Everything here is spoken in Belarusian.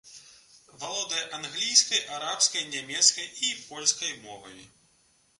Валодае англійскай, арабскай, нямецкай і польскай мовамі.